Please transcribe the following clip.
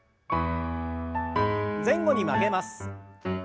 前後に曲げます。